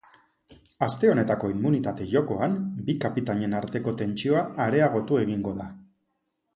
Aste honetako immunitate-jokoan, bi kapitainen arteko tentsioa areagotu egingo da.